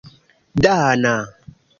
dana